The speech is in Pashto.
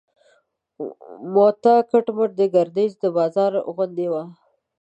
موته کټ مټ د ګردیز د بازار غوندې و.